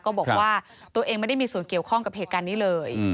ก็บอกว่าตัวเองไม่ได้มีส่วนเกี่ยวข้องกับเหตุการณ์นี้เลย